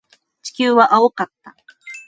地球は青かった。